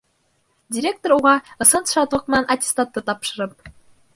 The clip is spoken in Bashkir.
Директор уға, ысын шатлыҡ менән аттестатты тапшырып: